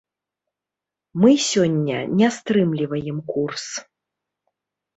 Мы сёння не стрымліваем курс.